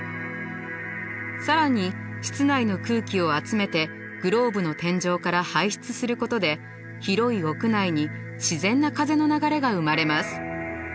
更に室内の空気を集めてグローブの天井から排出することで広い屋内に自然な風の流れが生まれます。